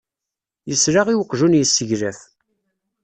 Yesla i uqjun yesseglaf.